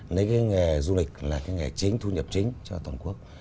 lấy cái nghề du lịch là cái nghề chính thu nhập chính cho toàn quốc